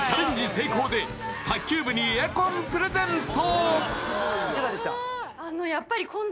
成功で卓球部にエアコンプレゼント！